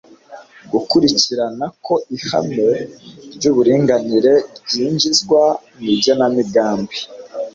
gukurikirana ko ihame ry'uburinganire ryinjizwa mu igenamigambi